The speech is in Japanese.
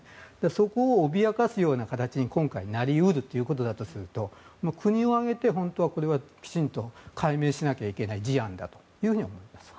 そこを脅かすような形に今回なり得るということだとすると国を挙げて、本当はこれはきちんと解明しなきゃいけない事案だと思います。